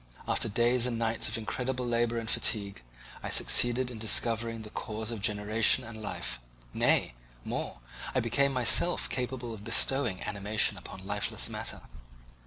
After days and nights of incredible labour and fatigue, I succeeded in discovering the cause of generation and life; nay, more, I became myself capable of bestowing animation upon lifeless matter.